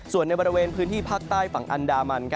ส่วนในบริเวณพื้นที่ภาคใต้ฝั่งอันดามัน